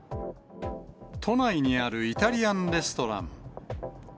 都内にあるイタリアンレストラン。